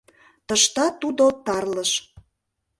Тыштат тудо тарлыш.